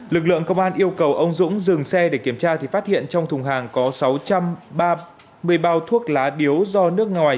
lực lượng công an yêu cầu ông dũng dừng xe để kiểm tra thì phát hiện trong thùng hàng có sáu mươi bao thuốc lá điếu do nước ngoài